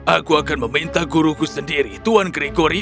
aku akan meminta guruku sendiri tuan gregory